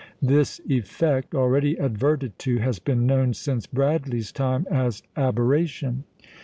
This effect (already adverted to) has been known since Bradley's time as "aberration."